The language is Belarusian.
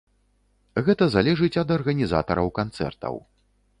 Гэта залежыць ад арганізатараў канцэртаў.